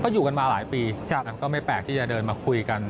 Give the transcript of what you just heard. อยู่กันมาหลายปีก็ไม่แปลกที่จะเดินมาคุยกัน